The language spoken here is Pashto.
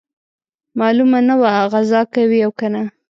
معلومه نه وه غزا کوي او کنه.